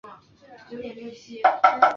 后来这个名字改成哥本哈根。